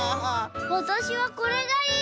わたしはこれがいい！